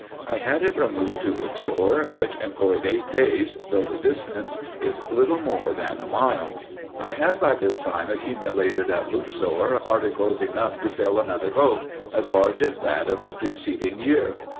I had it removed to Luxor, which employed eight days, though the distance is little more than a mile. I had by this time accumulated at Luxor articles enough to fill another boat, as large as that of the preceding year.